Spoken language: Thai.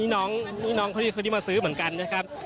นี่น้องเค้าที่มาซื้อเหมือนกันนะครับ